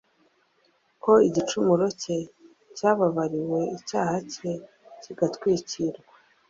ko igicumuro cye cyababariwe, icyaha cye kigatwikirwa.